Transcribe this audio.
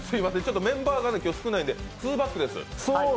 メンバーが少ないんでツーバックです。